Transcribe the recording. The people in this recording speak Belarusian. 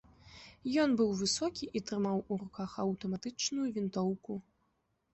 Ён быў высокі і трымаў у руках аўтаматычную вінтоўку.